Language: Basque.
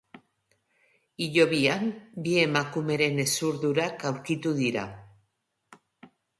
Hilobian, bi emakumeren hezurdurak aurkitu dira.